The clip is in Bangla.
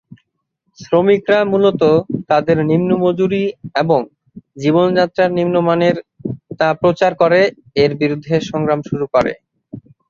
শ্রমিকরা মূলত তাদের নিম্ন মজুরি এবং জীবনযাত্রার নিম্ন মানের তা প্রচার করে এর বিরুদ্ধে সংগ্রাম শুরু করে।